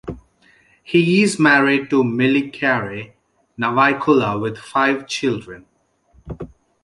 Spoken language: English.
He is married to Miliakere Nawaikula with five children.